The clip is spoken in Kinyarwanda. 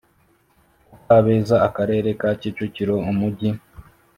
ku kabeza akarere ka kicukiro umujyi